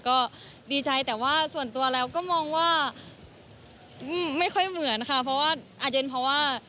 ก็ดีใจแต่ว่าส่วนตัวแล้วก็มองว่าไม่ค่อยเหมือนค่ะเพราะว่าอาจจะเป็นเพราะว่า